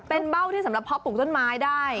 เป็นเบ้าที่สำหรับเพาะปลูกต้นไม้ได้